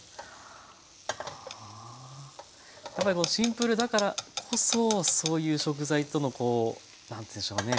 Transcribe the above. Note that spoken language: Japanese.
やっぱりシンプルだからこそそういう食材とのこう何ていうんでしょうね